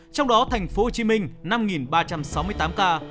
trong đó thành phố hồ chí minh năm ba trăm sáu mươi tám ca